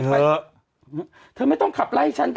แม็กส์เธอไม่ต้องขับไล่ฉันเตอร์